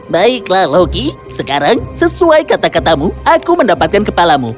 baiklah loki sekarang sesuai kata katamu aku mendapatkan kepalamu